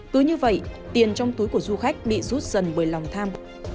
cứ như vậy tiền trong túi của du khách bị rút dần bởi lòng tham